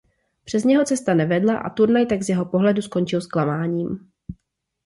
Přes něho cesta nevedla a turnaj tak z jeho pohledu skončil zklamáním.